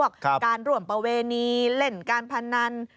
การร่วมประเวณีเล่นการพนัน